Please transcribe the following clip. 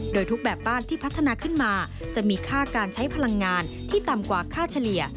โดยทุกแบบบ้านที่พัฒนาขึ้นมาจะมีค่าการใช้พลังงานที่ต่ำกว่าค่าเฉลี่ย